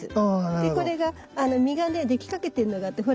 でこれが実がねできかけてんのがあってほら。